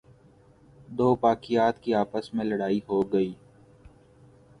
دوباقیات کی آپس میں لڑائی ہوگئی۔